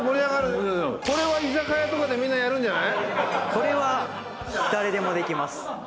これは誰でもできます。